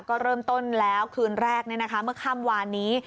ก็เริ่มต้นแล้วคืนแรกเมื่อค่ำวานนี้